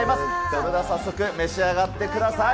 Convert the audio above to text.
それでは早速召し上がってください。